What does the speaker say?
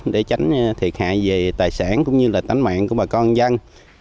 để tránh thiệt hại về tài sản cũng như là tính mạng của bà con dân